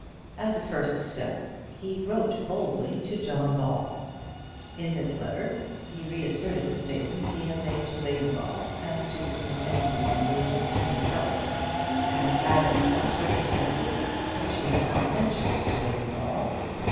As a first step, he wrote boldly to John Ball. In this letter he reasserted the statement he had made to Lady Ball as to Miss Mackenzie's engagement to himself, and added some circumstances which he had not mentioned to Lady Ball.